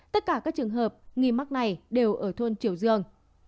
tất cả các trường hợp nghi mắc này đều ở thôn triều dương